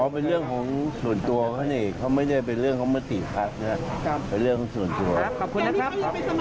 ไม่ได้เกี่ยวกับเรื่องของการจับตั้งรัฐบาลใช่ไหมครับ